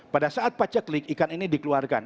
pada saat paceklik ikan ini dikeluarkan